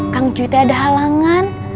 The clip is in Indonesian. kang encik teh ada halangan